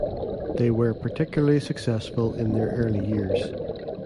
They were particularly successful in their early years.